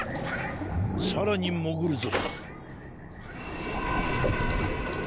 さらにもぐるぞ。